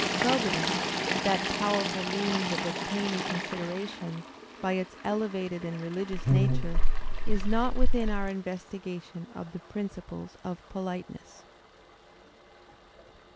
Probity, that powerful means of obtaining consideration, by its elevated and religious nature, is not within our investigation of the principles of politeness.